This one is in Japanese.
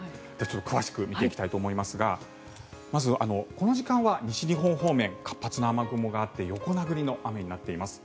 詳しく見ていきたいと思いますがまず、この時間は西日本方面活発な雨雲があって横殴りの雨になっています。